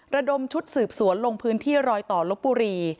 ระดมชุดสืบสวนลงพื้นที่รอยต่อลบบุรี